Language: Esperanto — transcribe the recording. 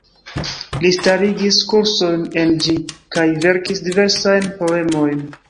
Li starigis kursojn en ĝi, kaj verkis diversajn poemojn.